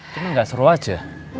cuma gak seru aja